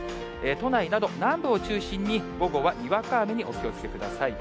都内など南部を中心に、午後はにわか雨にお気をつけください。